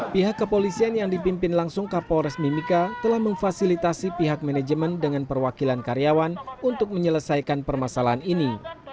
pihak kepolisian yang dipimpin langsung kapolres mimika telah memfasilitasi pihak manajemen dengan perwakilan karyawan untuk menyelesaikan permasalahan ini